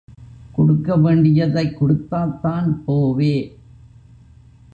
குடுக்கவேண்டியதைக் குடுத்தாத்தான் போவே.